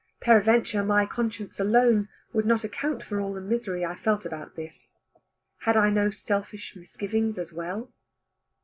Peradventure my conscience alone would not account for all the misery I felt about this. Had I no selfish misgivings as well?